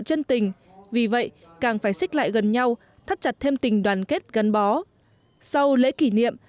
chân tình vì vậy càng phải xích lại gần nhau thắt chặt thêm tình đoàn kết gắn bó sau lễ kỷ niệm